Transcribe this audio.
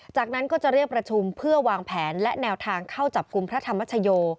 จากนั้นก็จะเรียกประชุมเพื่อวางแผนและแนวทางเข้าจับกลุ่มพระธรรมชโย